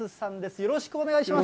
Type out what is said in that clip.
よろしくお願いします。